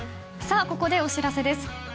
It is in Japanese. ここでお知らせです。